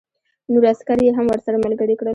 نور عسکر یې هم ورسره ملګري کړل